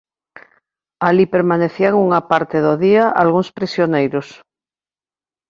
Alí permanecían unha parte do día algúns prisioneiros.